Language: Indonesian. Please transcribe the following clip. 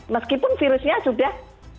meskipun virusnya sudah